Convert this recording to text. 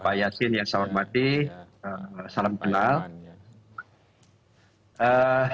pak yasin yang saya hormati salam kenal